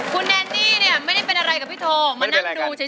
คุณแนนนี่เนี่ยไม่ได้เป็นอะไรกับพี่โทมานั่งดูเฉย